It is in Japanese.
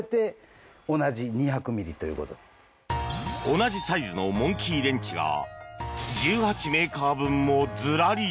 同じサイズのモンキーレンチが１８メーカー分も、ずらり！